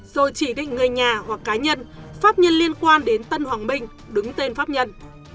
rồi chỉ định người nhà hoặc cá nhân pháp nhân liên quan đến tân hoàng minh đứng tên pháp nhân